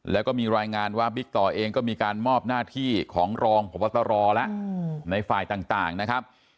แล้วก็มีรายงานว่าบิ๊กต่อเองก็มีการมอบหน้าที่ของรองพบตรแล้วในฝ่ายต่างนะครับ